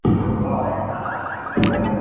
چټک فایبرونه په ناڅاپي حرکت کې فعالېږي.